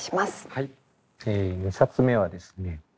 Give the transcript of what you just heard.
はい２冊目はですね